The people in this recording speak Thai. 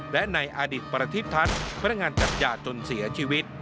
และในอดิษฐ์ประทิบทัศน์พันธ์งานจัดหยาดจนเสียชีวิต